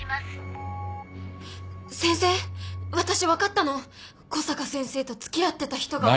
先生私分かったの小坂先生と付き合ってた人が。